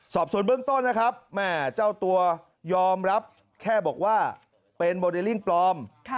สอบส่วนเบื้องต้นนะครับแม่เจ้าตัวยอมรับแค่บอกว่าเป็นโมเดลลิ่งปลอม